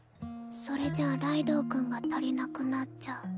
それじゃライドウ君が足りなくなっちゃう。